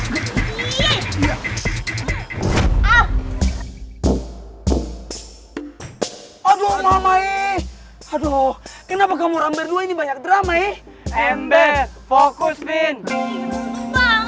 hai aduh mama ih aduh kenapa kamu rambut dua ini banyak drama eh mbf fokus pin banget